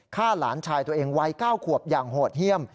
ฆ่าหลานชายตัวเองวัย๙ขวบอย่างโหดเยี่ยม